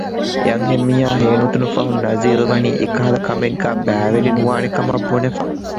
އެއަންހެންމީހާ ހޭނެތުނުފަހުން ނަޒީލްވަނީ އެކަހަލަ ކަމެއްގައި ބައިވެރި ނުވާނެކަމަށް ބުނެފަ